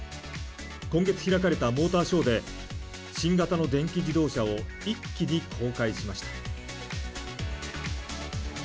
今月開かれたモーターショーで新型の電気自動車を一気に公開しました。